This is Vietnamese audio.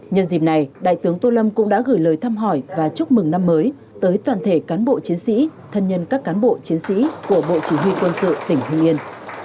nhân dịp này đại tướng tô lâm cũng đã gửi lời thăm hỏi và chúc mừng năm mới tới toàn thể cán bộ chiến sĩ thân nhân các cán bộ chiến sĩ của bộ chỉ huy quân sự tỉnh hương yên